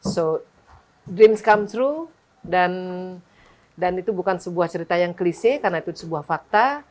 so dreams come true dan itu bukan sebuah cerita yang klise karena itu sebuah fakta